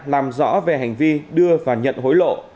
làm rõ về hành vi đưa và nhận hối lộ